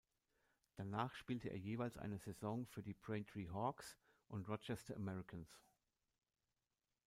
Danach spielte er jeweils eine Saison für die Braintree Hawks und Rochester Americans.